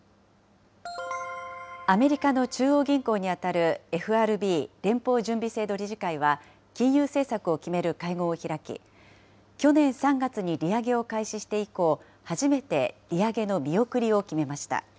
アメリカの中央銀行に当たるＦＲＢ・連邦準備制度理事会は、金融政策を決める会合を開き、去年３月に利上げを開始して以降、初めて利上げの見送りを決めました。